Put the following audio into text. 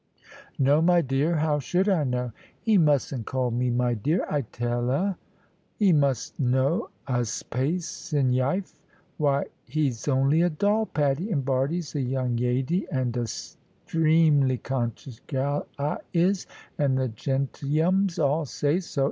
"No, my dear; how should I know?" "'E mustn't call me 'my dear,' I tell 'a. 'E must know 'a's pace in yife. Why, 'e's only a doll, Patty, and Bardie's a young yady, and a 'streamly 'cocious gal I is, and the gentleyums all say so.